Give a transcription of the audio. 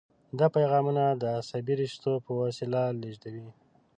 دا پیغامونه د عصبي رشتو په وسیله لیږدوي.